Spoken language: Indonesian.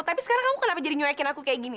tapi sekarang kamu kenapa jadi nyoekin aku kayak gini